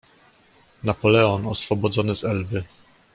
"Napoleon oswobodzony z Elby."